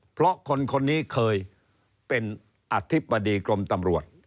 เพราะคนคนนี้เคยเป็นอธิบดีกรมตำรวจ